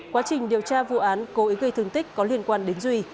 quá trình điều tra vụ án cố ý gây thương tích có liên quan đến duy